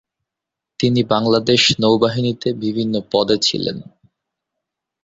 তিনি বাংলাদেশ নৌবাহিনীতে বিভিন্ন পদে ছিলেন।